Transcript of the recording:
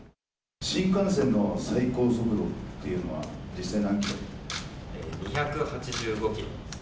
新幹線の最高速度っていうの２８５キロです。